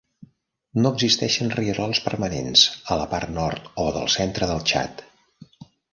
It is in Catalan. No existeixen rierols permanents a la part nord o del centre del Txad.